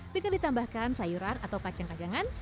dengan ditambahkan sayuran atau kacang kajangan